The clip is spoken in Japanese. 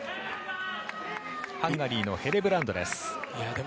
ハンガリーのヘレブランドです。